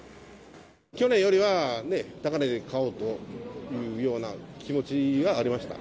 去年よりは高値で買おうというような気持ちはありました。